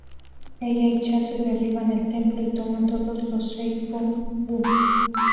Ella y Chase derriban el templo y toman todos los Shen Gong Wu.